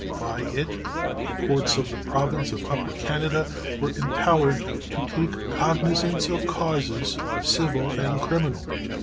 By it the courts of the Province of Upper Canada were empowered to take cognizance of causes civil and criminal.